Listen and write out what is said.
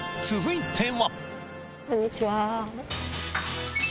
続いては。